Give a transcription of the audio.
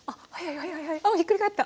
おおひっくり返った。